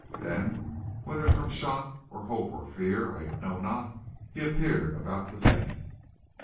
Then, whether from shock or hope or fear I know not, he appeared about to faint.